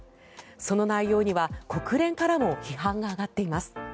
その内容には国連からも批判が上がっています。